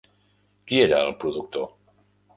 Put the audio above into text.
Qui era el productor?